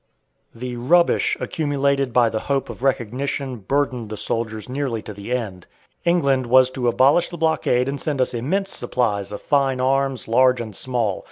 The rubbish accumulated by the hope of recognition burdened the soldiers nearly to the end. England was to abolish the blockade and send us immense supplies of fine arms, large and small.